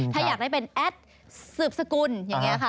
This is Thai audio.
ถ้าอยากได้เป็นแอดสืบสกุลอย่างนี้ค่ะ